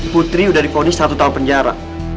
putri udah dikonis satu tahun penjara